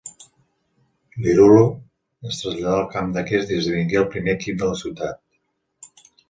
L'Iluro es traslladà al camp d'aquest i esdevingué el primer equip de la ciutat.